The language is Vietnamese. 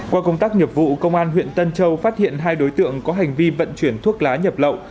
qua công tác nghiệp vụ công an huyện tân châu phát hiện hai đối tượng có hành vi vận chuyển thuốc lá nhập lậu